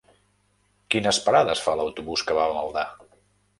Quines parades fa l'autobús que va a Maldà?